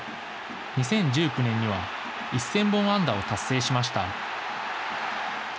２０１９年には１０００本安打を達成しました。